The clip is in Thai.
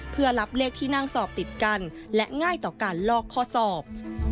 เพื่อรับเลขที่นั่งสอบติดกันและง่ายต่อการลอกข้อสอบ